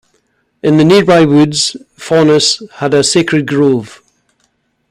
In the nearby woods, Faunus had a sacred grove.